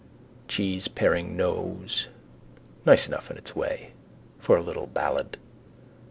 Cheeseparing nose. Nice enough in its way: for a little ballad.